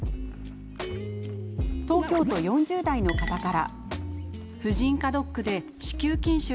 東京都４０代の方から。